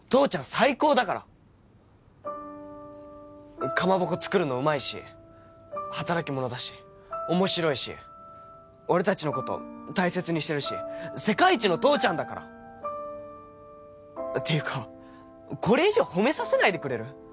最高だからかまぼこ作るのうまいし働き者だし面白いし俺達のこと大切にしてるし世界一の父ちゃんだからていうかこれ以上褒めさせないでくれる？